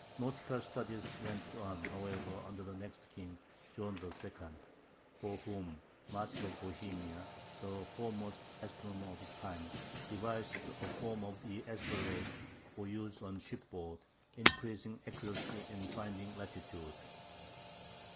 Nautical studies went on, however, under the next king, John II, for whom Martin of Bohemia, the foremost astronomer of his time, devised a form of the astrolabe for use on shipboard, increasing accuracy in finding latitude.